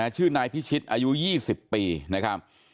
ชื่อนายพิชิตอายุ๒๐ปีนะครับ